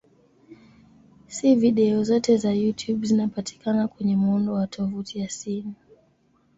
Si video zote za YouTube zinazopatikana kwenye muundo wa tovuti ya simu.